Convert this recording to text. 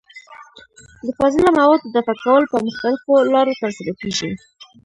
د فاضله موادو دفع کول په مختلفو لارو ترسره کېږي.